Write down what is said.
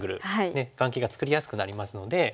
ねえ眼形が作りやすくなりますので。